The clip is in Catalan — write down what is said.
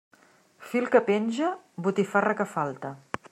Fil que penja, botifarra que falta.